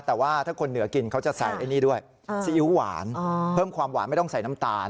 แต่ว่าถ้าคนเหนือกินเขาจะใส่ไอ้นี่ด้วยซีอิ๊วหวานเพิ่มความหวานไม่ต้องใส่น้ำตาล